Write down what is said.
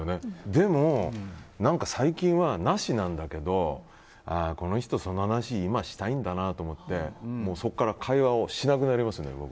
でも最近はなしなんだけど、この人、その話今、したいんだなと思ってそこから会話をしなくなりますね、僕。